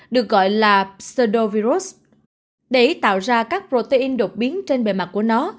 được gọi là pedoviros để tạo ra các protein đột biến trên bề mặt của nó